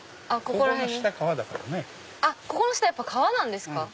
ここの下やっぱ川なんですか。